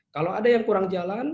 kalau ada yang kurang jalan